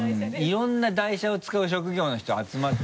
いろんな台車を使う職業の人集まって。